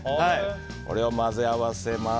これを混ぜ合わせます。